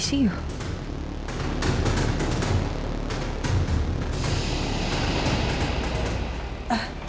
apa dia udah dipindahin